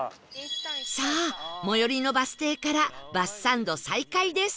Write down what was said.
さあ最寄りのバス停からバスサンド再開です